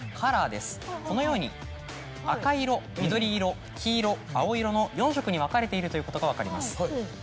このように赤色緑色黄色青色の４色に分かれているということが分かります。